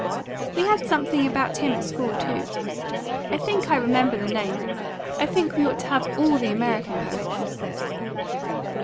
"We had something about him at school too. I think I remember the name. I think we ought to have ALL the American poets."